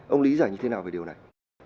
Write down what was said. ông lý giải như thế nào về điều này